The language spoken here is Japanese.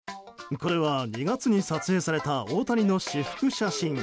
これは２月に撮影された大谷の私服写真。